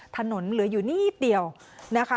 ถนนเหลืออยู่นิดเดียวนะคะ